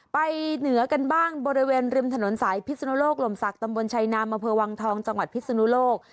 เหนือกันบ้างบริเวณริมถนนสายพิศนุโลกลมศักดิตำบลชัยนามอำเภอวังทองจังหวัดพิศนุโลก